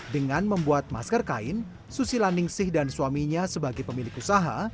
dengan membuat masker kain susi laningsih dan suaminya sebagai pemilik usaha